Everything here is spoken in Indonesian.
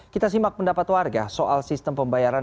kita simak pendapat warga soal sistem pembayaran